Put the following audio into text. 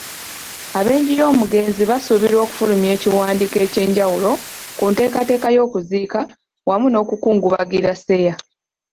Ab'enju y'omugenzi basuubirwa okufulumyawo ekiwandiiko eky'enjawulo ku nteekateeka y'okuziika wamu n'okukungubagira Seeya.